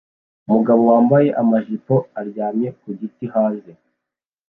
Umugabo wambaye amajipo aryamye ku giti hanze